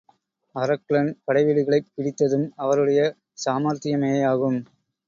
அரக்லன் படை வீடுகளைப் பிடித்ததும் அவருடைய சாமர்த்தியமேயாகும்.